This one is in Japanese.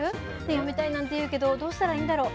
やめたいなんていうけど、どうしたらいいんだろう。